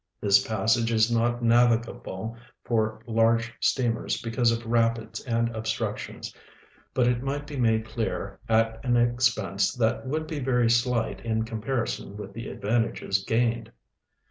This passage is not naA'igahle for large steamers because of rapids and obstructions, I)ut it might he made clear at an expense that Avould be very slight in comparison Avith the advantages gained..